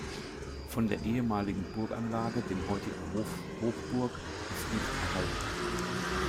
Von der ehemaligen Burganlage, dem heutigen Hof Hochburg, ist nichts erhalten.